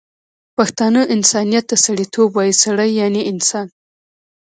پښتانه انسانیت ته سړيتوب وايي، سړی یعنی انسان